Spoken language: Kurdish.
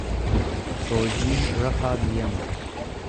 Rojîn refa duyem e.